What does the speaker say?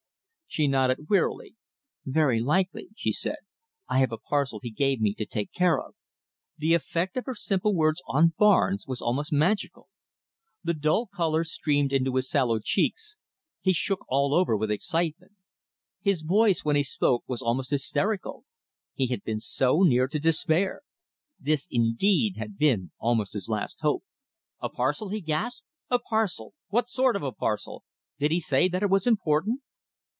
She nodded wearily. "Very likely," she said. "I have a parcel he gave me to take care of." The effect of her simple words on Barnes was almost magical. The dull colour streamed into his sallow cheeks, he shook all over with excitement. His voice, when he spoke, was almost hysterical. He had been so near to despair. This indeed had been almost his last hope. "A parcel!" he gasped. "A parcel! What sort of a parcel? Did he say that it was important?"